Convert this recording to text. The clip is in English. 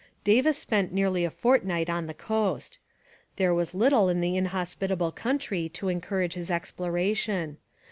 Davis spent nearly a fortnight on the coast. There was little in the inhospitable country to encourage his exploration.